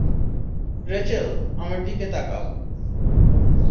Rachel, আমার দিকে তাকাও।